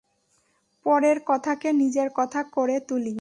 পরের কথাকে নিজের কথা করে তুলি।